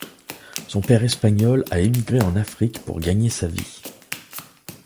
Son père espagnol a émigré en Afrique pour gagner sa vie.